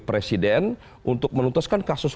presiden untuk menutuskan kasus